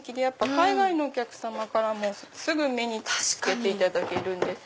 海外のお客さまからもすぐ目に付けていただける。